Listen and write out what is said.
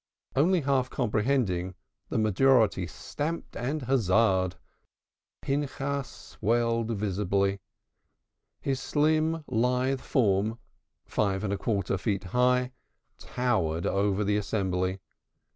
Only half comprehending, the majority stamped and huzzahed. Pinchas swelled visibly. His slim, lithe form, five and a quarter feet high, towered over the assembly.